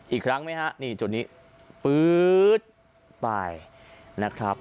อีกครั้งไหมฮะนี่จุดนี้ปื๊ดไปนะครับ